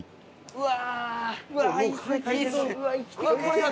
うわ！